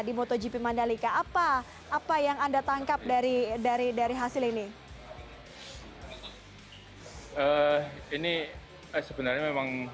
di motogp mandalika apa apa yang anda tangkap dari dari dari hasil ini ini sebenarnya memang